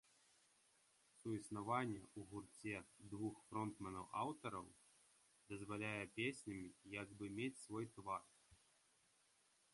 Суіснаванне ў гурце двух фронтмэнаў-аўтараў дазваляе песням як бы мець свой твар.